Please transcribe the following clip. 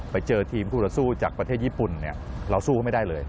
ไปเจอทีมคู่ละสู้จากประเทศญี่ปุ่นเราสู้ไม่ได้เลย